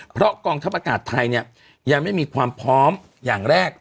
เพราะกองทัพอากาศไทยเนี่ยยังไม่มีความพร้อมอย่างแรก